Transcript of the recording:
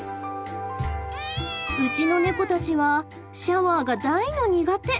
うちのネコたちはシャワーが大の苦手。